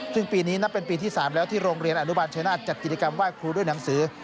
ซึ่งปีนี้นับเป็นปีที่๓แล้วที่โรงเรียนอนุบาลชายนาฏจัดกิจกรรมไหว้ครูด้วยหนังสือ